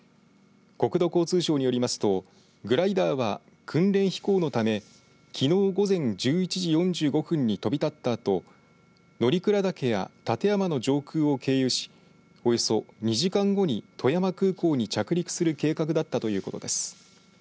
国土交通省によりますとグライダーは訓練飛行のためきのう午前１１時４５分に飛び立ったあと乗鞍岳や立山の上空を経由しおよそ２時間後に富山空港に着陸する計画だったということです。